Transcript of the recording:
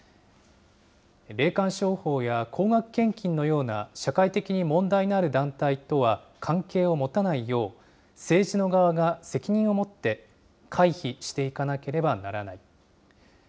霊感商法や高額献金のような社会的に問題のある団体とは関係を持たないよう、政治の側が責任を持って回避していかなければならない。